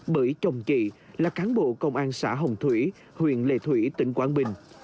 bởi chồng kỵ là cán bộ công an xã hồng thủy huyện lệ thủy tỉnh quảng bình